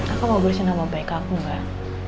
aku mau bersenamah baik aku mbak